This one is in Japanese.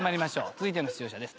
続いての出場者です。